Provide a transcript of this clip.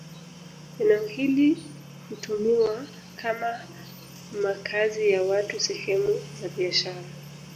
Eneo hili hutumiwa kama makazi ya watu sehemu za biashara